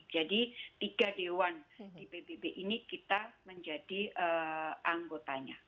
jadi tiga dewan di pbb ini kita menjadi anggotanya